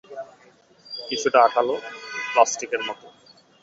কিছুটা আঠালো, প্লাস্টিকের মতো।